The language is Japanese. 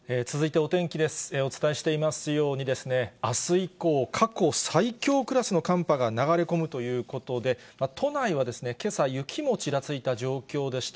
お伝えしていますように、あす以降、過去最強クラスの寒波が流れ込むということで、都内はけさ、雪もちらついた状況でした。